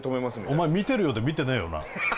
お前見てるようで見てねえよな。